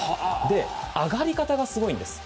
上がり方がすごいんです。